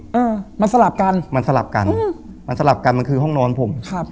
อืมมันสลับกันมันสลับกันอืมมันสลับกันมันคือห้องนอนผมครับ